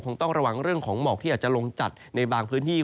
ต้องระวังเรื่องของหมอกที่อาจจะลงจัดในบางพื้นที่